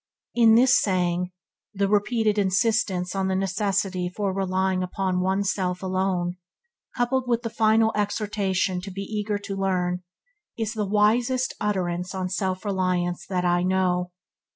In this saying, the repeated insistence on the necessity for relying upon one's self alone, coupled with the final exhortation to be eager to learn, is the wisest utterance on self reliance that I know.